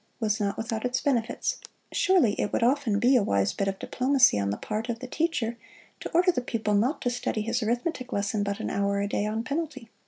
was not without its benefits. Surely it would often be a wise bit of diplomacy on the part of the teacher to order the pupil not to study his arithmetic lesson but an hour a day, on penalty.